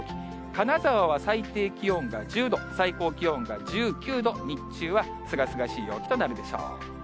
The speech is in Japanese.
金沢は最低気温が１０度、最高気温が１９度、日中はすがすがしい陽気となるでしょう。